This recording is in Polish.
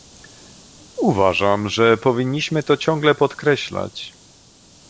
Uważam, że powinniśmy to ciągle podkreślać